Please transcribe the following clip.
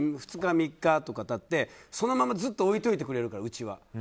２日、３日とか経ってそのまま置いておいてくれるからうちは。